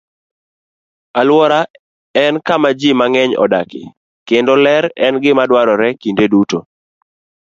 Alwora en kama ji mang'eny odakie, kendo ler en gima dwarore kinde duto.